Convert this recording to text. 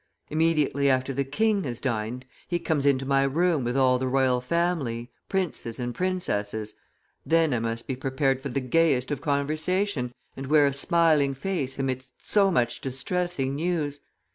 Immediately after the king has dined, he comes into my room with all the royal family, princes and princesses; then I must be prepared for the gayest of conversation, and wear a smiling face amidst so much distressing news.